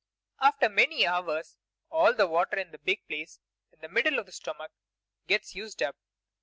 After many hours all the water in the big place in the middle of the stomach gets used up.